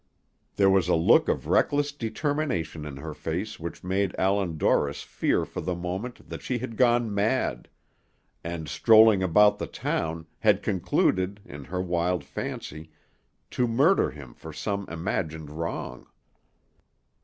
There was a look of reckless determination in her face which made Allan Dorris fear for the moment that she had gone mad, and, strolling about the town, had concluded, in her wild fancy, to murder him for some imagined wrong.